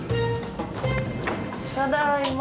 ただいま。